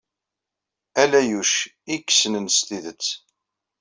Ala Yuc ay k-yessnen s tidet.